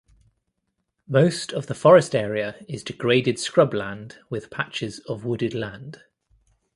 Most of the forest area is degraded scrub land with patches of wooded land.